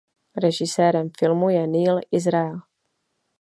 Režisérem filmu je Neal Israel.